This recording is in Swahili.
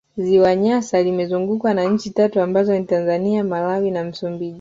Ziwa Nyasa limezungukwa na nchi tatu ambazo ni Tanzania Malawi na MsumbIji